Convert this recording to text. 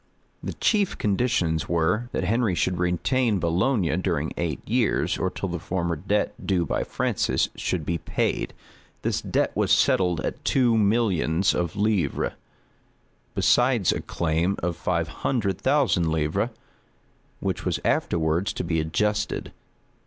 The chief conditions were, that Henry should retain Boulogne during eight years, or till the former debt due by Francis should be paid. This debt was settled at two millions of livres, besides a claim of five hundred thousand livres, which was afterwards to be adjusted.